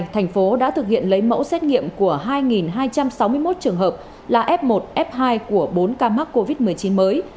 thành phố đã thực hiện lấy mẫu xét nghiệm của hai hai trăm sáu mươi một trường hợp là f một f hai của bốn ca mắc covid một mươi chín mới